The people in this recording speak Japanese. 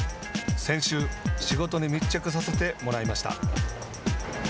先週、仕事に密着させてもらいました。